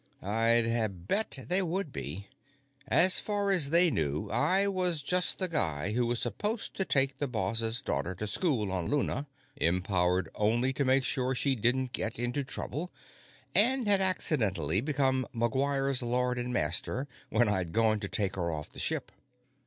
I'd have bet they would be. As far as they knew, I was just the guy who was supposed to take the boss' daughter to school on Luna, empowered only to make sure she didn't get into trouble, and had accidentally become McGuire's lord and master when I'd gone to take her off the ship.